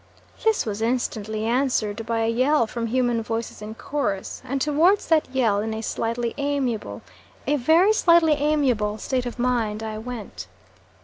This was instantly answered by a yell from human voices in chorus, and towards that yell in a slightly amiable a very slightly amiable state of mind I went.